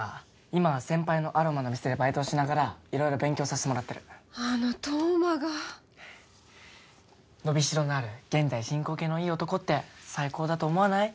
今は先輩のアロマの店でバイトをしながら色々勉強させてもらってるあの冬馬が伸びしろのある現在進行形のいい男って最高だと思わない？